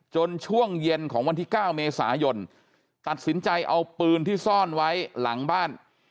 ช่วงเย็นของวันที่๙เมษายนตัดสินใจเอาปืนที่ซ่อนไว้หลังบ้าน